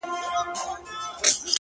• چي ستا له سونډو نه خندا وړي څوك؛